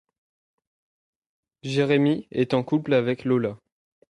Jéremy est en couple avec Lola.